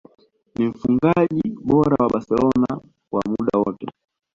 Ni mfungaji bora wa Barcelona wa muda wote